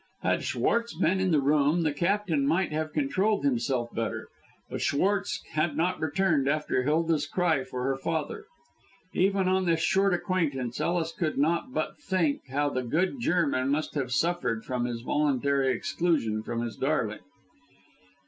Had Schwartz been in the room, the Captain might have controlled himself better, but Schwartz had not returned after Hilda's cry for her father. Even on his short acquaintance, Ellis could not but think how the good German must have suffered from his voluntary exclusion from his darling.